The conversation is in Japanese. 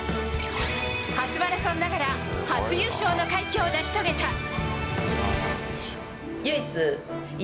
初マラソンながら初優勝の快挙を成し遂げた。